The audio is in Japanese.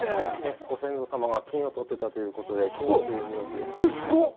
ご先祖様が金を採ってたということで、金野という名字です。